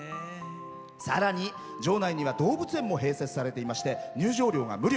さらに、場内には動物園も併設されていまして入場料が無料。